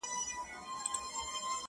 ته پاچا یې خدای درکړی سلطنت دئ٫